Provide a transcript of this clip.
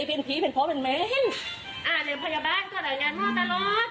เป็นผีเป็นของเป็นไหมอ่าแล้วพยาบาลก็รายงานมอตรอด